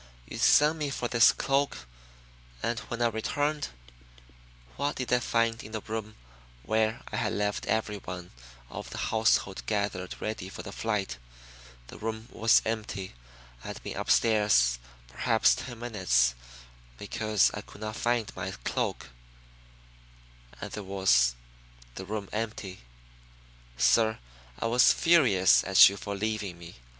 "You send me for this cloak and when I returned, what did I find in the room where I had left everyone of the household gathered ready for the flight? The room was empty. I had been upstairs perhaps ten minutes because I could not find my cloak, and there was the room empty. Sir, I was furious at you for leaving me.